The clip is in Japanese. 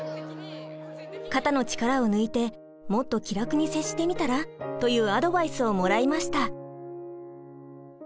「肩の力を抜いてもっと気楽に接してみたら？」というアドバイスをもらいました。